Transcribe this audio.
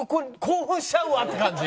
興奮しちゃうわって感じ。